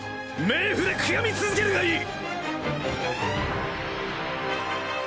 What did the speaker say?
冥府で悔やみ続けるがいい！